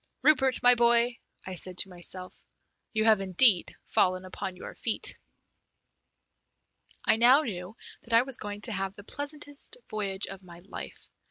"Rupert, my boy," I said to myself, "you have indeed fallen upon your feet!" I now knew that I was going to have the pleasantest voyage of my life.